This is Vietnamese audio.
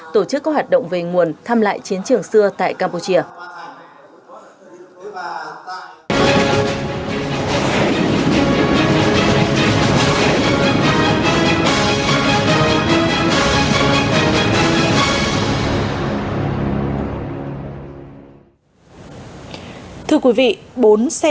tổ chức các hoạt động về nguồn thăm lại chiến trường xưa tại campuchia